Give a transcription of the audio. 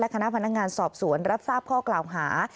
คณะพนักงานสอบสวนรับทราบข้อกล่าวหา